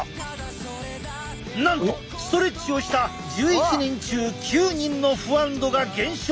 なんとストレッチをした１１人中９人の不安度が減少。